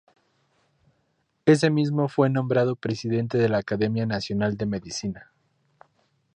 Ese mismo fue nombrado presidente de la Academia Nacional de Medicina.